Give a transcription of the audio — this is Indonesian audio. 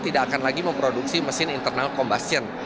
tidak akan lagi memproduksi mesin internal combustion